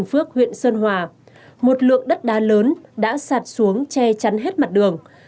phước huyện sơn hòa một lượng đất đá lớn đã sạt xuống che chắn hết mặt đường